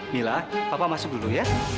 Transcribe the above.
mila bapak masuk dulu ya